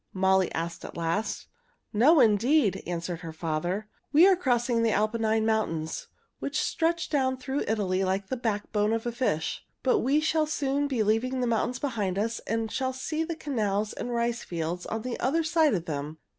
Molly asked at last. "No, indeed," answered her father. "We are crossing the Apennine Mountains, which stretch down through Italy like the backbone of a fish. But we shall soon be leaving the mountains behind us and shall see the canals and the rice fields on the other side of them.